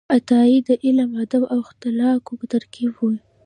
عطايي د علم، ادب او اخلاقو ترکیب و.